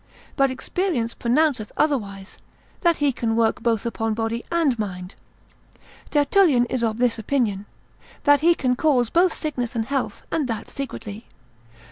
But experience pronounceth otherwise, that he can work both upon body and mind. Tertullian is of this opinion, c. 22. That he can cause both sickness and health, and that secretly.